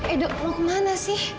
aduh mau ke mana sih